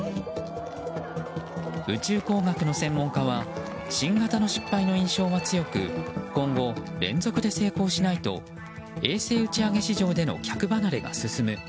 宇宙工学の専門家は新型の失敗の印象は強く今後、連続で成功しないと衛星打ち上げ市場での客離れが進む。